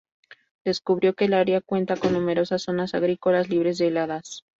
Descubrió que el área cuenta con numerosas zonas agrícolas, libres de heladas.